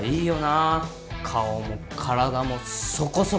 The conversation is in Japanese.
顔も体もそこそこだし。